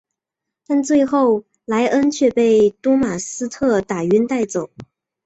但最后莱恩却被多马斯特打晕带走。